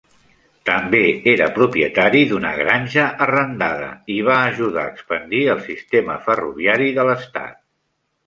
També era propietari d'una granja arrendada i va ajudar a expandir el sistema ferroviari de l'estat.